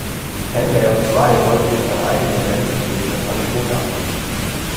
Henley und Frey wollten jedoch eine eigene Band und lehnten das Angebot ab.